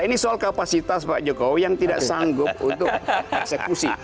ini soal kapasitas pak jokowi yang tidak sanggup untuk eksekusi